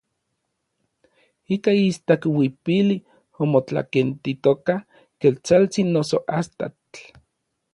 Ika istak uipili omotlakentitoka Ketsaltsin noso Astatl.